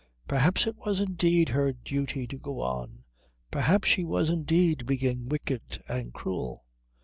Perhaps it was indeed her duty to go on, perhaps she was indeed being wicked and cruel.